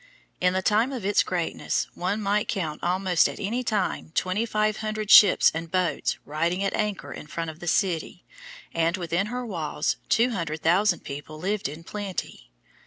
In the time of its greatness one might count almost at any time twenty five hundred ships and boats riding at anchor in front of the city, and within her walls, two hundred thousand people lived in plenty.